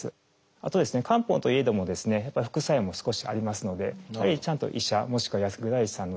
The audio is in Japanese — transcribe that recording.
あとですね漢方といえどもですねやっぱり副作用も少しありますのでちゃんと医者もしくは薬剤師さんのですね